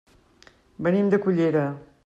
Venim de Cullera.